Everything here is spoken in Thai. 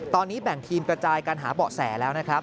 ตอนนี้แบ่งทีมกระจายการหาเบาะแสแล้วนะครับ